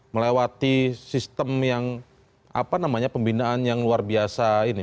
melewati sistem yang apa namanya pembinaan yang luar biasa ini